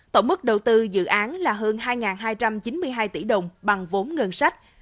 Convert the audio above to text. tổng mức đầu tư dự án là hơn hai hai trăm chín mươi hai tỷ đồng bằng vốn ngân sách